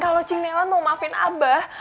kalau ching nelan mau maafin abah